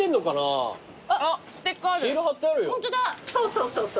そうそうそう。